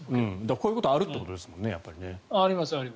ああいうことがあるということですよね。